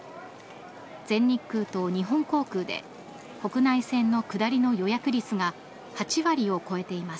全日空と日本航空で国内線の下りの予約率が８割を超えています。